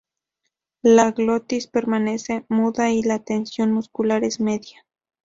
La glotis permanece muda y la tensión muscular es media.